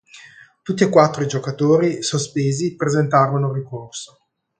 Tutti i quattro giocatori sospesi presentarono ricorso.